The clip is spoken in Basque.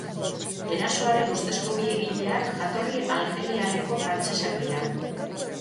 Erasoaren ustezko bi egileak jatorri aljeriarreko frantsesak dira.